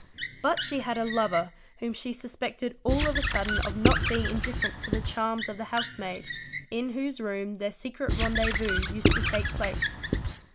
But she had a lover whom she suspected all of a sudden of not being indifferent to the charms of the housemaid, in whose room their secret rendez vous used to take place.